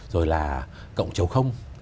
rồi là cộng chầu không